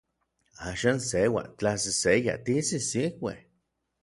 Axan seua, tlaseseya, tisisikuej.